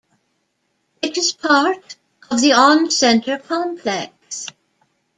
It is part of the Oncenter Complex.